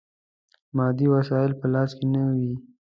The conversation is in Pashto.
مادي وسایل په لاس کې نه وي.